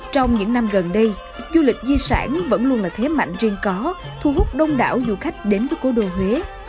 trong những năm gần đây du lịch di sản vẫn luôn là thế mạnh riêng có thu hút đông đảo du khách đến với cố đô huế